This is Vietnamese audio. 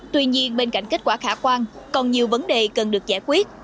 tuy nhiên bên cạnh kết quả khả quan còn nhiều vấn đề cần được giải quyết